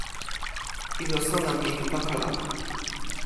ilo sona mi li pakala.